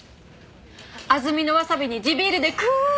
安曇野わさびに地ビールでクゥッ！